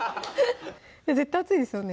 絶対熱いですよね？